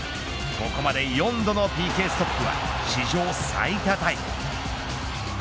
ここまで４度のＰＫストップは史上最多タイ。